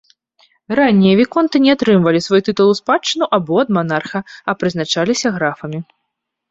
Раннія віконты не атрымлівалі свой тытул у спадчыну або ад манарха, а прызначаліся графамі.